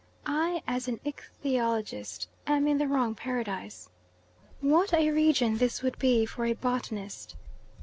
I, as an ichthyologist, am in the wrong paradise. What a region this would be for a botanist!